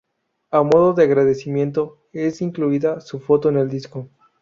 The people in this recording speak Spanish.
A modo de agradecimiento es incluida su foto en el disco.